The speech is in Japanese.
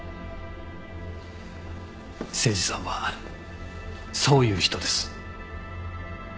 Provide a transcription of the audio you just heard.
誠司さんはそういう人です。